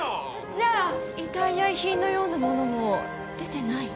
じゃあ遺体や遺品のようなものも出てない？